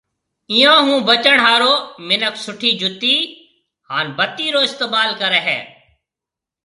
ايئون ھون بچڻ ھارو منک سُٺي جُتِي ھان بتِي رو استعمال ڪرَي ھيََََ